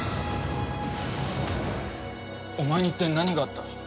お前に一体何があった？